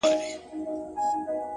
o ژوندی انسان و حرکت ته حرکت کوي ـ